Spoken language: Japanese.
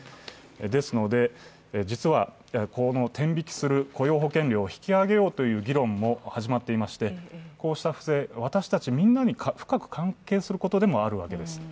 ですので、実はこの天引きする雇用保険料を引き上げようという議論も始まっていまして、こうした不正、私たちみんなに深く関係することでもあるんです。